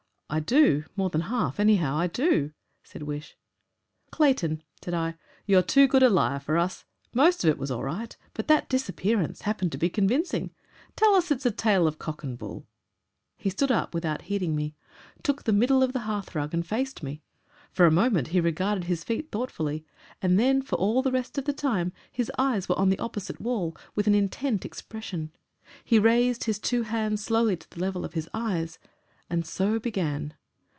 "I do more than half, anyhow, I do," said Wish. "Clayton," said I, "you're too good a liar for us. Most of it was all right. But that disappearance... happened to be convincing. Tell us, it's a tale of cock and bull." He stood up without heeding me, took the middle of the hearthrug, and faced me. For a moment he regarded his feet thoughtfully, and then for all the rest of the time his eyes were on the opposite wall, with an intent expression. He raised his two hands slowly to the level of his eyes and so began....